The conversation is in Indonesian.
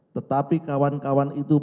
tetapi kawan kawan itu